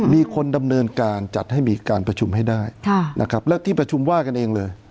มีคนดำเนินการจัดให้มีการประชุมให้ได้นะครับแล้วที่ประชุมว่ากันเองเลย